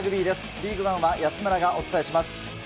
リーグワンは安村がお伝えします。